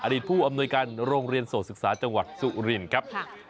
ผู้อำนวยการโรงเรียนโสดศึกษาจังหวัดสุรินครับ